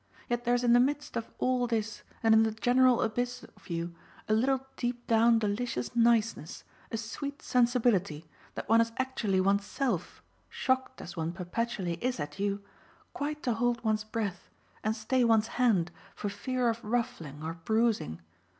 Yet there's in the midst of all this and in the general abyss of you a little deepdown delicious niceness, a sweet sensibility, that one has actually one's self, shocked as one perpetually is at you, quite to hold one's breath and stay one's hand for fear of ruffling or bruising.